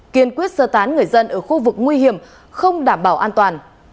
kiên quyết sơ tán người dân ở khu vực nguy hiểm không đảm bảo an toàn